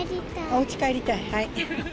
おうち帰りたい？